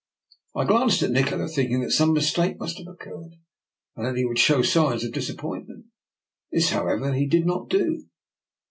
I glanced at Nikola, thinking that some mistake must have occurred and that he would show signs of disappointment. This, however, he did not do.